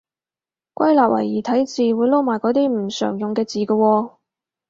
歸納為異體字，會撈埋嗰啲唔常用字嘅字嘅喎